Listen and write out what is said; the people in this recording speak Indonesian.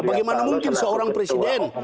bagaimana mungkin seorang presiden